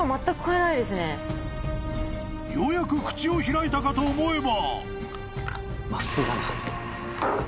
［ようやく口を開いたかと思えば］